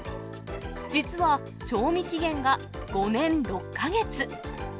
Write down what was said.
実は賞味期限が５年６か月。